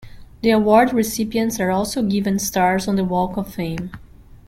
The award recipients are also given stars on the Walk of Fame.